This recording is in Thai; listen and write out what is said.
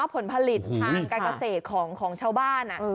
ผลผลิตทางการเกษตรของชาวบ้าน